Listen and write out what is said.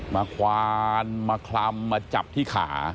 ควานมาคลำมาจับที่ขา